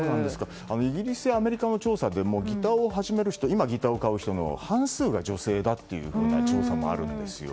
イギリスやアメリカの調査でもギターを始める人や今、ギターを買う人の半数が女性だという調査もあるんです。